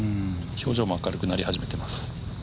表情も明るくなり始めています。